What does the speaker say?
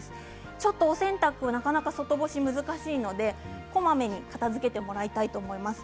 ちょっとお洗濯はなかなか外干しが難しいので、こまめに片づけてもらいたいと思います。